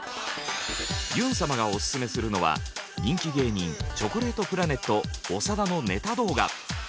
ゆん様がオススメするのは人気芸人チョコレートプラネット長田のネタ動画。